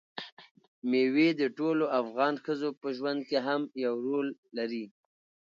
مېوې د ټولو افغان ښځو په ژوند کې هم یو رول لري.